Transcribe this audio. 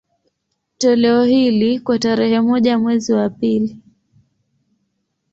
Toleo hili, kwa tarehe moja mwezi wa pili